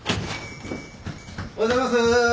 ・・おはようございます。